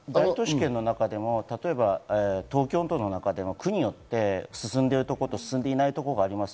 例えば東京都でも区によって進んでいるところと進んでいないところがあります。